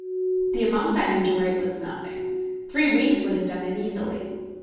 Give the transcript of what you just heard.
The amount I had to write was nothing. Three weeks would have done it easily.